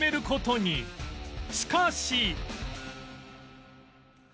しかし！